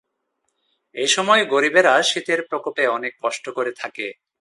এসময় গরিবেরা শীতের প্রকোপে অনেক কষ্ট করে থাকে।